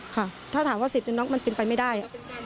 ค่ะถ้าถามว่าเสียบจนน๊อกมันเป็นไปไม่ได้